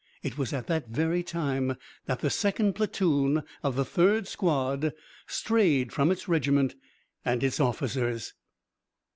It was at that very time that the second platoon of the third squad strayed from its regiment and its officers.